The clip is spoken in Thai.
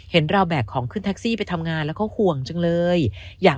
เห็นเราแบกของขึ้นแท็กซี่ไปทำงานแล้วเขาห่วงจังเลยอยาก